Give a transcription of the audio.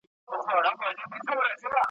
په دې ښارکي هر څه ورک دي نقابونه اورېدلي ,